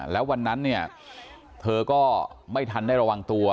แล้ววันนั้นเนี่ยเธอก็ไม่ทันได้ระวังตัว